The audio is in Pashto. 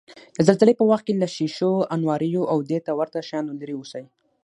د زلزلې په وخت کې له شیشو، انواریو، او دېته ورته شیانو لرې اوسئ.